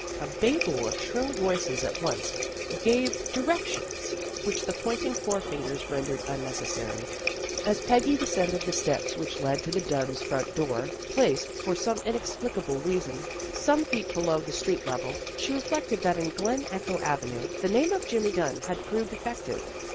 A babel of shrill voices at once gave direc tions, which the pointing forefingers rendered unnecessary. As Peggy descended the steps which led to the Dunn's front door, placed, for some inexplicable reason, some feet below the street level, she reflected that in Glen Echo Avenue the name of Jimmy Dunn had proved effective.